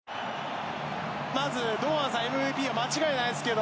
堂安さんＭＶＰは間違いないですけど。